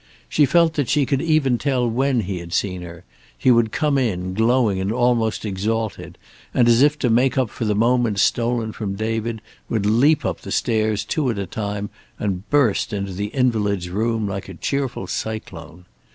She felt that she could even tell when he had seen her; he would come in, glowing and almost exalted, and, as if to make up for the moments stolen from David, would leap up the stairs two at a time and burst into the invalid's room like a cheerful cyclone.